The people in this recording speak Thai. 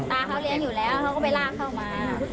เขาเลี้ยงอยู่แล้วเขาก็ไปลากเข้ามา